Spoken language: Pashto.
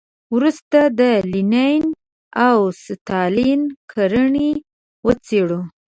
وروسته د لینین او ستالین کړنې وڅېړو.